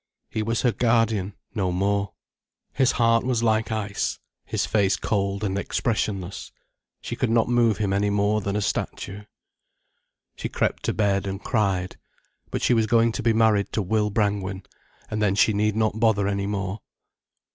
He was her guardian, no more. His heart was like ice, his face cold and expressionless. She could not move him any more than a statue. She crept to bed, and cried. But she was going to be married to Will Brangwen, and then she need not bother any more.